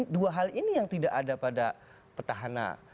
dua hal ini yang tidak ada pada petahana